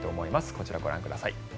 こちらをご覧ください。